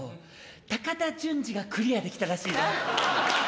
高田純次がクリアできたらしいわ。